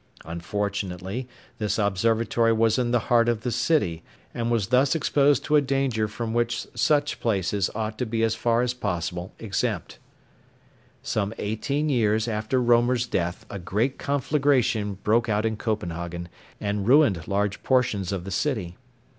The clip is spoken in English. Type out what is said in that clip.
Unfortunately this observatory was in the heart of the city, and was thus exposed to a danger from which such places ought to be as far as possible exempt. Some eighteen years after Roemer's death a great conflagration broke out in Copenhagen, and ruined large portions of the city.